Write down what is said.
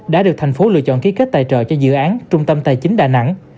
đã được thành phố lựa chọn ký kết tài trợ cho dự án trung tâm tài chính đà nẵng